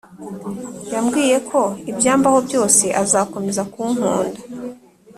yambwiye ko ibyambaho byose azakomeza kunkunda